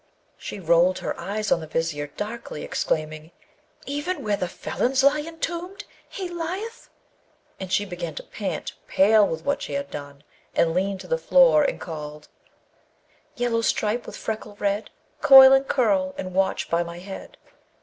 She rolled her eyes on the Vizier darkly, exclaiming, 'Even where the felons lie entombed, he lieth!' And she began to pant, pale with what she had done, and leaned to the floor, and called, Yellow stripe, with freckle red, Coil and curl, and watch by my head.